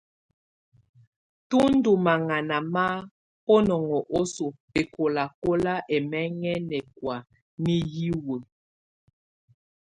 Tù ndù maŋana ma bunɔŋɔ osoo bɛkɔlakɔna ɛmɛŋɛ nɛkɔ̀á nɛ hiwǝ.